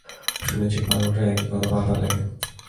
শুনেছি পাগলরাই একই কথা বারবার লেখে।